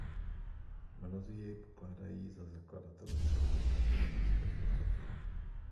Mnozí jej pokládají za zakladatele středověké politické filosofie.